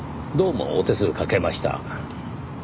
どうもお手数かけました。